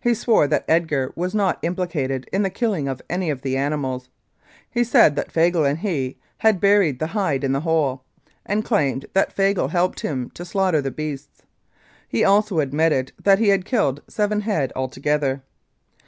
He swore that Edgar was not implicated in the killing of any of the animals. He said that Fagle and he had buried the hide in the hole, and claimed that Fagle helped him to slaughter the beasts. He also admitted that he had killed seven head altogether.